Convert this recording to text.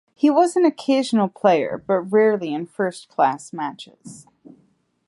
He was an occasional player but rarely in first-class matches.